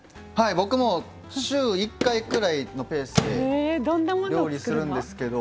僕も週１回くらいのペースで料理するんですけど。